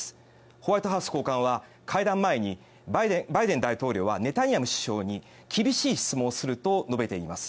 ホワイトハウス高官は会談前にバイデン大統領はネタニヤフ首相に厳しい質問をすると述べています。